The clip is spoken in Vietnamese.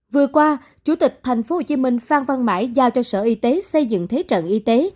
vừa qua chủ tịch tp hcm phan văn mãi giao cho sở y tế xây dựng thế trận y tế